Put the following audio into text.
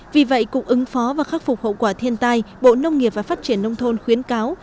vì vậy cục ứng phó và khắc phục hậu quả thiên tai bộ nông nghiệp và phát triển nông thôn khuyến cáo